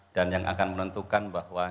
dan yang akan menentukan bahwa